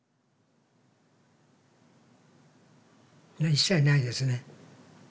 一切ないですね。